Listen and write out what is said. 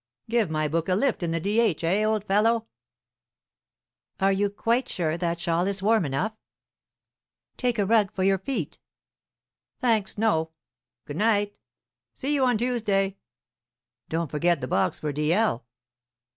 "Give my book a lift in the D.H., eh, old fellow?" "Are you quite sure that shawl is warm enough?" "Take a rug for your feet." "Thanks, no." "Good night." "See you on Tuesday." "Don't forget the box for D.L."